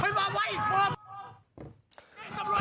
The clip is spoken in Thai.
ภาพ